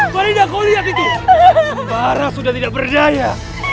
mari kau lihat itu sembara sudah tidak berdaya